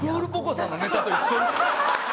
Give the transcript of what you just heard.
さんのネタと一緒ですよ